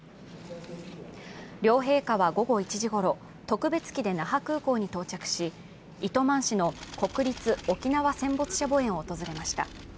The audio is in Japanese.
両陛下は午後１時ごろ、特別機で那覇空港に到着し、糸満市の国立沖縄戦没者墓苑を訪れました。